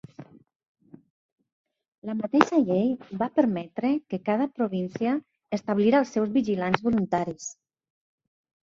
La mateixa llei va permetre que cada província establís els seus "Vigilants voluntaris".